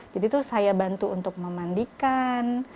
jadi itu saya bantu untuk memandikan